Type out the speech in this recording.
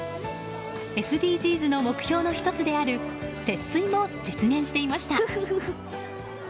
ＳＤＧｓの目標の１つである節水も実現していました。